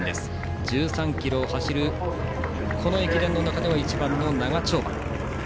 １３ｋｍを走るこの駅伝の中では一番の長丁場。